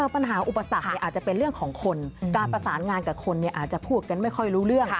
อุปสรรคอาจจะเป็นเรื่องของคนการประสานงานกับคนอาจจะพูดกันไม่ค่อยรู้เรื่อง